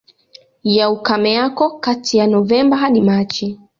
Ya ukame yako kati ya Novemba hadi Machi.